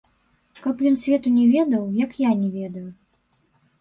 Каб ён свету не ведаў, як я не ведаю.